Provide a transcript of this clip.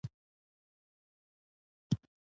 پابندي غرونه د افغان ښځو په ژوند کې هم رول لري.